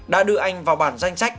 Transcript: đã đưa anh vào bản danh sách